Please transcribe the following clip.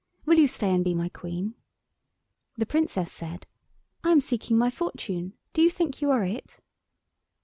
Will you stay and be my Queen?" The Princess said, "I am seeking my fortune. Do you think you are it?"